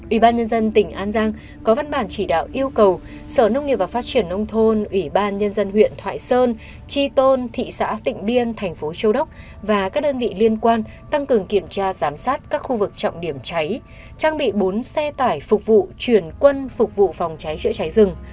ủy ban nhân dân tỉnh an giang có văn bản chỉ đạo yêu cầu sở nông nghiệp và phát triển nông thôn ủy ban nhân dân huyện thoại sơn tri tôn thị xã tịnh biên thành phố châu đốc và các đơn vị liên quan tăng cường kiểm tra giám sát các khu vực trọng điểm cháy trang bị bốn xe tải phục vụ chuyển quân phục vụ phòng cháy chữa cháy rừng